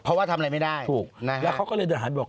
เพราะว่าทำอะไรไม่ได้ถูกแล้วเขาก็เลยเดินหันไปบอก